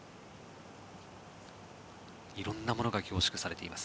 色んなものが凝縮されています